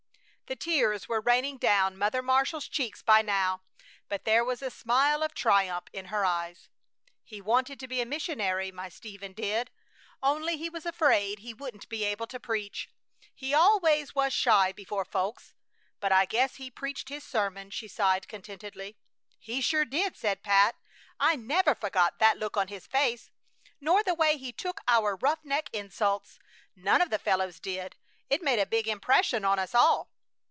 The tears were raining down Mother Marshall's cheeks by now, but there was a smile of triumph in her eyes. "He wanted to be a missionary, my Stephen did, only he was afraid he wouldn't be able to preach. He always was shy before folks. But I guess he preached his sermon!" She sighed contentedly. "He sure did!" said Pat. "I never forgot that look on his face, nor the way he took our roughneck insults. None of the fellows did. It made a big impression on us all.